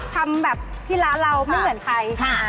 ทำแบบที่ร้านเราไม่เหมือนใคร